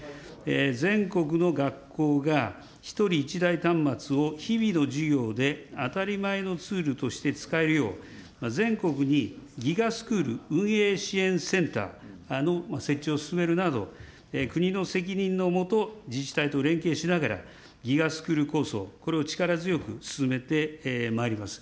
全国の学校が１人１台端末を日々の授業で当たり前のツールとして使えるよう、全国にＧＩＧＡスクール運営支援センターの設置を進めるなど、国の責任の下、自治体と連携しながら、ＧＩＧＡスクール構想、これを力強く進めてまいります。